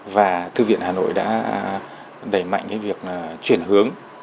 và thư viện hà nội đã đẩy mạnh cái việc chuyển hướng